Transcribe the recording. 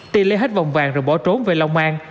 ti lấy hết vòng vàng rồi bỏ trốn về long an